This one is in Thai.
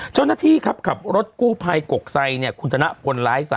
เฉพาะนัทที่ขับขับรถกู้ภัยกวกไซค์เนี่ยคนธนากุลร้าย๓